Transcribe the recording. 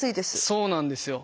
そうなんですよ。